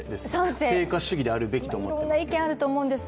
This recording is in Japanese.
成果主義であるべきと思っています。